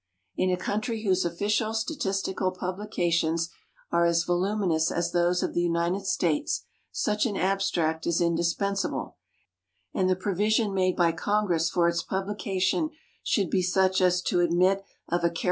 In a country whose official statistical publications are as voluminous as tiiose of the United States, such an abstract is indispensable, and the provision made by Congress for its publication should be such as to admit of a care.